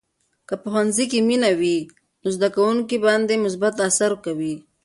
که په ښوونځي کې مینه وي، نو زده کوونکي باندې مثبت اثر کوي.